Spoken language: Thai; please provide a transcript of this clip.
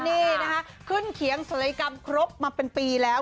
นี่นะคะขึ้นเขียงศัลยกรรมครบมาเป็นปีแล้ว